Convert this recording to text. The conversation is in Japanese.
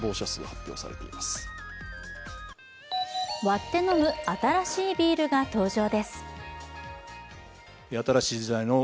割って飲む新しいビールが登場です。